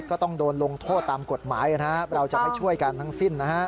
ก็ต้องโดนลงโทษตามกฎหมายนะครับเราจะไม่ช่วยกันทั้งสิ้นนะฮะ